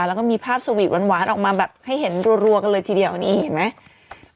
แล้วก็มีภาพสวีทหวานออกมาแบบให้เห็นรัวกันเลยทีเดียวนี่เห็นไหม